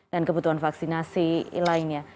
dan kebutuhan vaksinasi lainnya